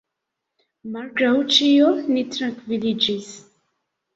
Malgraŭ ĉio, ni trankviliĝis.